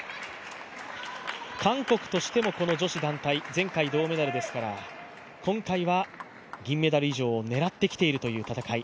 韓国としても女子団体、前回銅メダルですから、今回は銀メダル以上を狙ってきているという戦い。